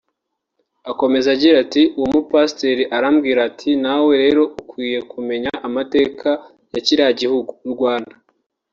Akomeza agira ati “ Uwo mupasiteri arambwira ati nawe rero ukwiye kumenya amateka ya kiriya gihugu (u Rwanda)